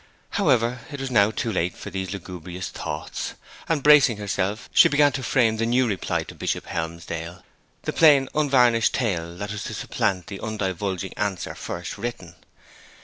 However, it was now too late for these lugubrious thoughts; and, bracing herself, she began to frame the new reply to Bishop Helmsdale the plain, unvarnished tale that was to supplant the undivulging answer first written.